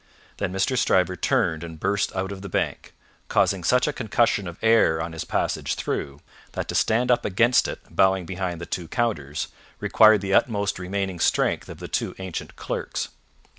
Then Mr. Stryver turned and burst out of the Bank, causing such a concussion of air on his passage through, that to stand up against it bowing behind the two counters, required the utmost remaining strength of the two ancient clerks.